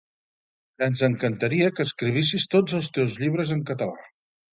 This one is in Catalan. Ens encantaria que escrivissis tots els teus llibres en català